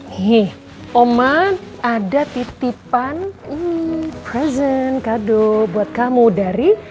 nih oma ada titipan present kado buat kamu dari